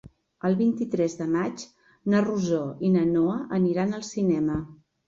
El vint-i-tres de maig na Rosó i na Noa aniran al cinema.